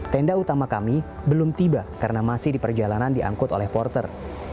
tenda utama kami belum tiba karena masih di perjalanan diangkut oleh porter